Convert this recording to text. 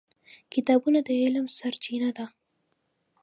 کتابونه د علم سرچینه ده.